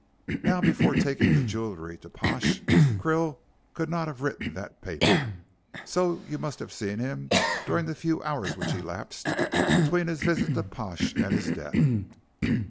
Now, before taking the jewellery to Pash, Krill could not have written that paper, so you must have seen him during the few hours which elapsed between his visit to Pash and his death."